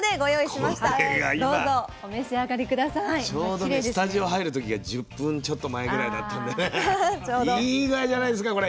ちょうどねスタジオ入る時が１０分ちょっと前ぐらいだったんでいい具合じゃないですかこれ。